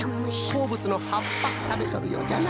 こうぶつのはっぱたべとるようじゃな。